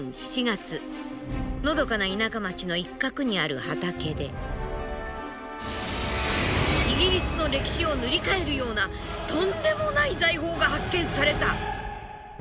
のどかな田舎町の一角にある畑でイギリスの歴史を塗り替えるようなとんでもない財宝が発見された。